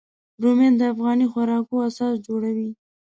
رومیان د افغاني خوراکو اساس جوړوي